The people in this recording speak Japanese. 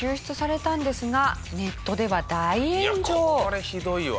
これひどいわ。